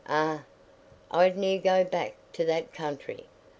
"Eh, I'd ne'er go back to that country.